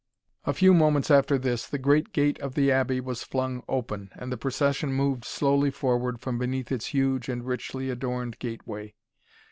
A few moments after this the great gate of the Abbey was flung open, and the procession moved slowly forward from beneath its huge and richly adorned gateway.